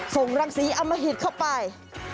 ส่งรังสีอมหิตเข้าไป